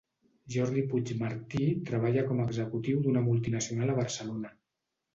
Jordi Puigmartí treballa com executiu d'una multinacional a Barcelona.